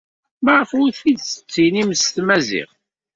Maɣef ur t-id-tettinim s tmaziɣt?